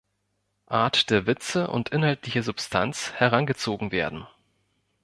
Art der Witze und inhaltliche Substanz herangezogen werden.